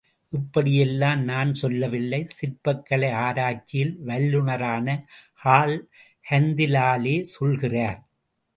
இப்படியெல்லாம் நான் சொல்லவில்லை, சிற்பக்கலை ஆராய்ச்சியில் வல்லுநரான கார்ல் கந்தீலாலே சொல்கிறார்.